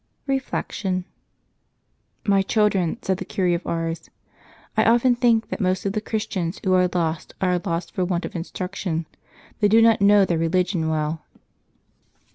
'' Reflection. —" My children," said the Cure of Ars, '' I often think that most of the Christians who are lost are lost for want of instruction; they do not know ^heir re ligion well."